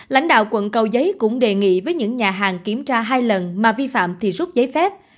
lãnh đạo quận cầu giấy cũng đề nghị với những nhà hàng kiểm tra hai lần mà vi phạm thì rút giấy phép